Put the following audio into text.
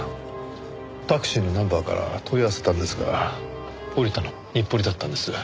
タクシーのナンバーから問い合わせたんですが降りたの日暮里だったんです。